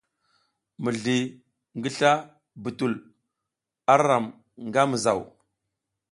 Mizli ngi sla bitul a ram nga mizaw.